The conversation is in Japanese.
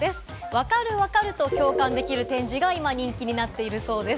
分かる、分かると共感できる展示が今人気になっているそうです。